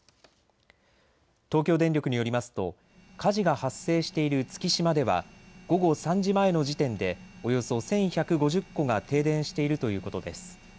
東京電力によりますと火事が発生している月島では午後３時前の時点でおよそ１１５０戸が停電しているということです。